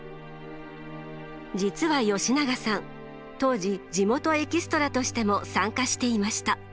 実は吉永さん当時地元エキストラとしても参加していました。